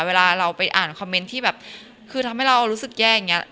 เวลาเราไปอ่านคอมเมนต์ที่แบบคือทำให้เรารู้สึกแย่อย่างเงี้